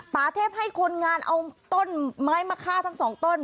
ป่าเทพให้คนงานเอาต้นไม้มาฆ่าทั้งสองต้น